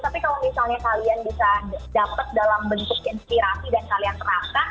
tapi kalau misalnya kalian bisa dapat dalam bentuk inspirasi dan kalian terapkan